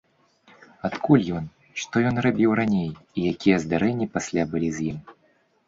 Адкуль ён, што ён рабіў раней і якія здарэнні пасля былі з ім?